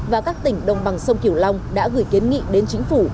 và các tỉnh đồng bằng sông kiểu long đã gửi kiến nghị đến chính phủ